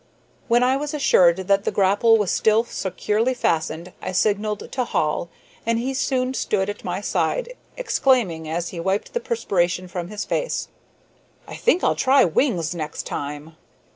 When I was assured that the grapple was still securely fastened I signalled to Hall, and he soon stood at my side, exclaiming, as he wiped the perspiration from his face: "I think I'll try wings next time!"